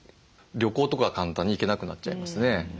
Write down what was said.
旅行とか簡単に行けなくなっちゃいますね。